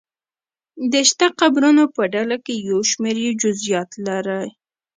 د شته قبرونو په ډله کې یو شمېر یې جزییات لري.